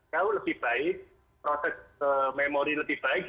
jauh lebih baik proses memori lebih baik